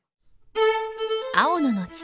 青野の父